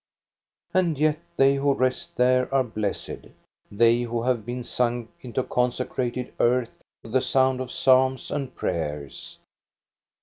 And yet they who rest there are blessed, they who have been sunk into consecrated earth to the sound of psalms and prayers.